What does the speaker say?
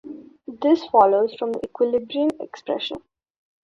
This follows from the equilibrium expression.